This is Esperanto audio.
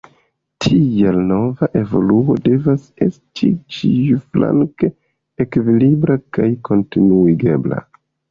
Tial nova evoluo devas esti ĉiuflanke ekvilibra kaj kontinuigebla.